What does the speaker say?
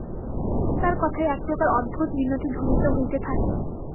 তার কথায় একপ্রকার অদ্ভুত মিনতি ধ্বনিত হইতে থাকে।